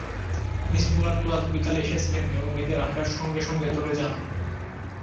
Miss Muller তো আজ বিকালে এসেছিলেন এবং এঁদের আসার সঙ্গে সঙ্গে চলে যান।